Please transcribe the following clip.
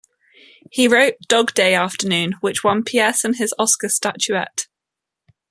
He wrote "Dog Day Afternoon", which won Pierson his Oscar statuette.